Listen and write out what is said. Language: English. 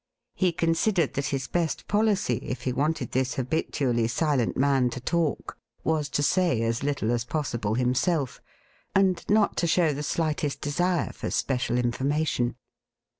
He considered that his best policy, if he wanted this habitually silent man to talk, was to say as little as possible himself, and not to show the slightest desire for special information.